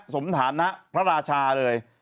สมฐานะพระราชาเลย